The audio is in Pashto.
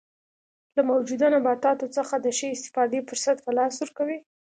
له موجوده نباتاتو څخه د ښې استفادې فرصت په لاس ورکوي.